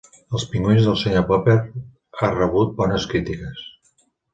"Els pingüins del senyor Popper" ha rebut bones crítiques.